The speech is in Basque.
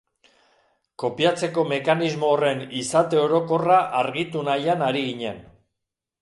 Kopiatzeko mekanismo horren izate orokorra argitu nahian ari ginen.